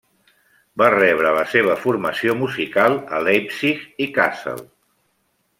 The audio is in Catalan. Va rebre la seva formació musical a Leipzig i Kassel.